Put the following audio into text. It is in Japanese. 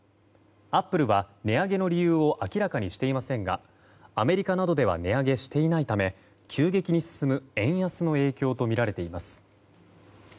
アップルは値上げの理由を明らかにしていませんがアメリカなどでは値上げしていないため急激に進む円安の影響とみられています。